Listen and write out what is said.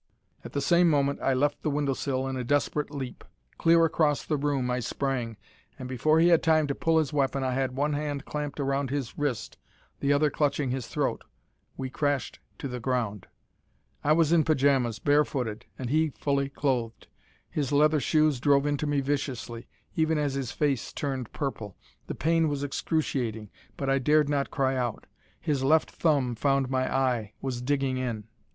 At the same moment I left the window sill in a desperate leap. Clear across the room I sprang, and before he had time to pull his weapon I had one hand clamped around his wrist, the other clutching his throat. We crashed to the ground. I was in pyjamas, barefooted, he fully clothed. His leather shoes drove into me viciously, even as his face turned purple. The pain was excruciating, but I dared not cry out. His left thumb found my eye, was digging in.